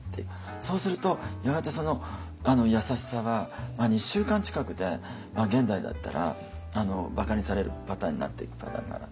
そうするとやがてその優しさは２週間近くで現代だったらばかにされるパターンになっていくパターンだなと。